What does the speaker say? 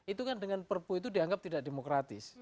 itu kan dengan perpu itu dianggap tidak demokratis